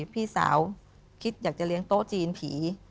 พี่สาวคิดอยากจะเลี้ยงโต๊ะจีนผี